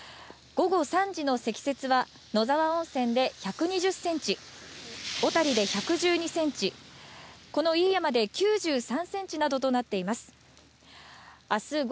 午後３時の積雪は、野沢温泉で１２０センチ、小谷で１１２センチ、この飯山で９３センチなどとなっています。